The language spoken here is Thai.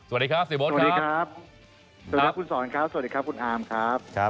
สวัสดีครับเสียโบ๊ทสวัสดีครับสวัสดีครับคุณสอนครับสวัสดีครับคุณอามครับ